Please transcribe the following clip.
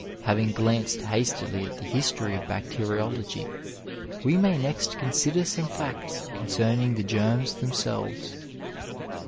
Having glanced hastily at the history of bacteriology, we may next consider some facts concerning the germs themselves.